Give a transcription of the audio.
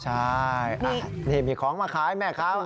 ใช่นี่มีของมาขายแม่ค้า